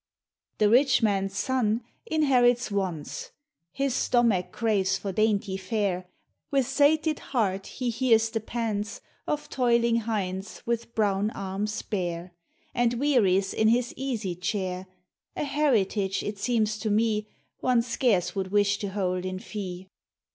The rich man's son inherits wants, His stomach craves for dainty fare; With silted heart he hears the pants Of toiling hinds with brown arms bare, And wearies in his easy chair; A heritage it seems to me, One scarce would wish to hold in fee.